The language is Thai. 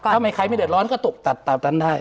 ถ้ามีใครไม่เดือดร้อนก็ตกตัดตามนั้นได้